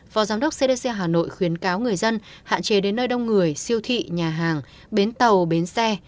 phó giám đốc cdc hà nội khuyến cáo người dân hạn chế đến nơi đông người siêu thị nhà hàng bến tàu bến xe